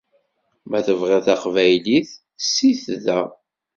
Ma tebɣiḍ taqbaylit, sit da.